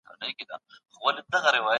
د ژوند شرایط به ډېر ژر بدل سي.